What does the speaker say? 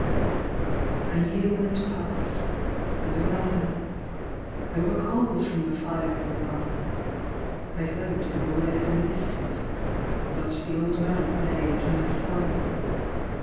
A year went past and another. There were calls from the firing line; They heard the boy had enlisted, but the old man made no sign.